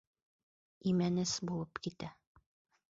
Имәнес булып китә.